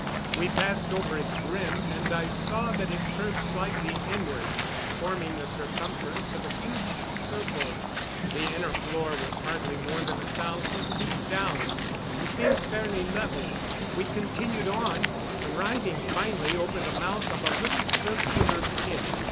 We passed over its rim, and I saw that it curved slightly inward, forming the circumference of a huge circle. The inner floor was hardly more than a thousand feet down, and seemed fairly level. We continued on, arriving finally over the mouth of a little circular pit.